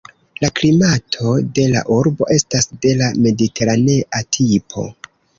La klimato de la urbo estas de la mediteranea tipo.